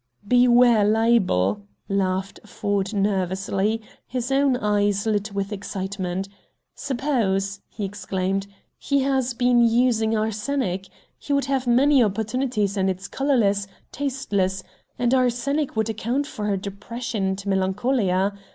"Beware libel," laughed Ford nervously, his own eyes lit with excitement. "Suppose," he exclaimed, "he has been using arsenic? He would have many opportunities, and it's colorless, tasteless; and arsenic would account for her depression and melancholia.